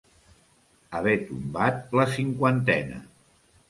Haver tombat la cinquantena.